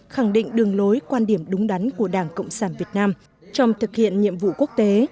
khẳng định đường lối quan điểm đúng đắn của đảng cộng sản việt nam trong thực hiện nhiệm vụ quốc tế